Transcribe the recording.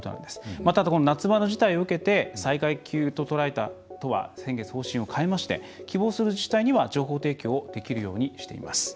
また、夏場の事態を受けて災害級と捉えた都は、先月方針を変えまして希望する自治体には情報提供できるようにしています。